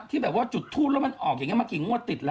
ที่แบบว่าจุดทูปแล้วมันออกอย่างนี้มากี่งวดติดแล้ว